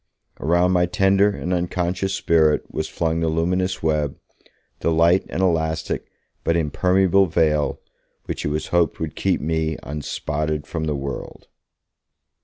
Around my tender and unconscious spirit was flung the luminous web, the light and elastic but impermeable veil, which it was hoped would keep me 'unspotted from the world'.